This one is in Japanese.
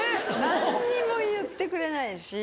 何にも言ってくれないし